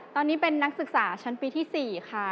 ตอนนี้เป็นนักศึกษาชั้นปีที่๔ค่ะ